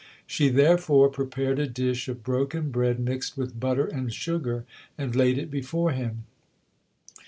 She therefore prepared a dish of broken bread mixed with butter and sugar, and laid it before him.